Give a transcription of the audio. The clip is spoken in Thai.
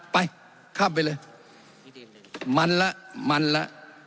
ไปข้ามไปเลยมันละมันละ